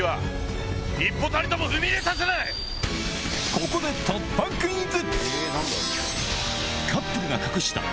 ここで突破クイズ！